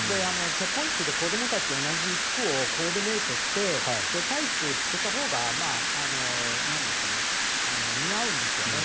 結婚式で子どもたち、同じ服装をコーディネートしてタイツを着てたほうが似合うんですよね